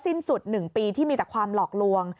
มี๑ปีที่มีแต่ความหลอกลวง